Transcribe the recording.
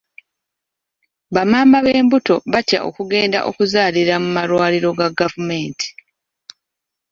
Bamaama ab'embuto batya okugenda okuzaalira mu malwaliro ga gavumenti.